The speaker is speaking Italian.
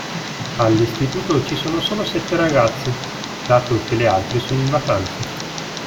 All'istituto ci sono solo sette ragazze, dato che le altre sono in vacanza.